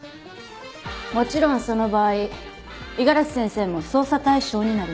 もちろんその場合五十嵐先生も捜査対象になります。